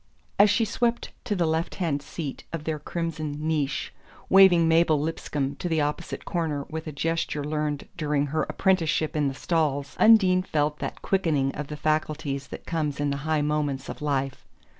As she swept to the left hand seat of their crimson niche, waving Mabel Lipscomb to the opposite corner with a gesture learned during her apprenticeship in the stalls, Undine felt that quickening of the faculties that comes in the high moments of life.